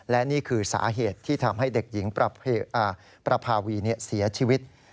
และนี่คือสาเหตุที่ทำให้เด็กหญิงประภาวีเสียชีวิต